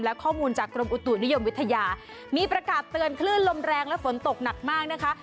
และข้อมูลจากกรมอุตุนิยมวิทยามีประกาศเตือนคลื่นลมแรงและฝนตกหนักมากนะคะ